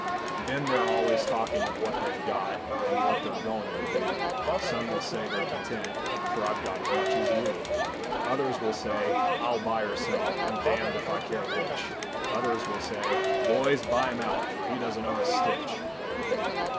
Then they're always talking of what they've got, And what they're going to do; Some will say they're content, For I've got as much as you. Others will say, "I'll buy or sell, I'm damned if I care which." Others will say, "Boys, buy him out, For he doesn't own a stitch."